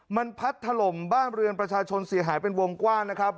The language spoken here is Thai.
มันพัดถล่มบ้านเรือนประชาชนเสียหายเป็นวงกว้างนะครับ